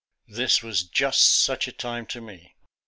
This was just such a time to me.